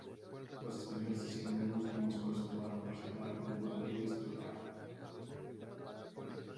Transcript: Los españoles hicieron un último esfuerzo para interceptar al grupo de Lewis y Clark.